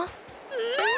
うん！